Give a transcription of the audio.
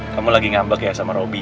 kamu lagi ngambek ya sama roby